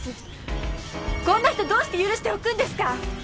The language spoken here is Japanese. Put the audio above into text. こんな人どうして許しておくんですか！